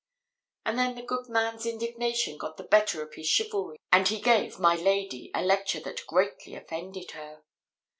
And then the good man's indignation got the better of his chivalry, and he gave "My lady" a lecture that greatly offended her.